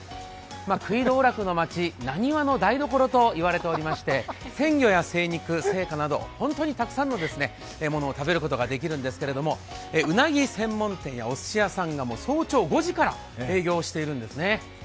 食い道楽の街、なにわの台所と言われていまして鮮魚や精肉、製菓など本当にたくさんのものを食べることができるんですけどうなぎ専門店やおすし屋さんが早朝５時から営業してるんですね。